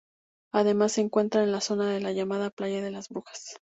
Además se encuentra en la zona la llamada "Playa de Las Brujas".